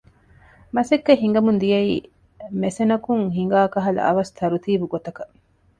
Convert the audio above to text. މަސައްކަތް ހިނގަމުން ދިޔައީ މެސެނަކުން ހިނގާ ކަހަލަ އަވަސް ތަރުތީބު ގޮތަކަށް